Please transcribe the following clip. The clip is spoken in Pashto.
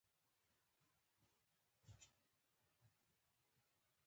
د جومات مخ ته ناست یم او بزګران وینم.